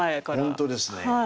本当ですね。